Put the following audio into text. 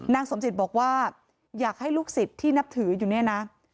สมจิตบอกว่าอยากให้ลูกศิษย์ที่นับถืออยู่เนี่ยนะ